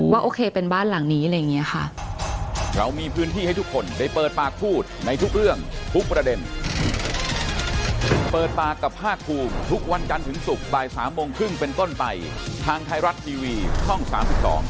ว่าโอเคเป็นบ้านหลังนี้อะไรอย่างนี้ค่ะ